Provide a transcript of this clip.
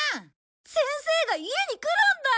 先生が家に来るんだ！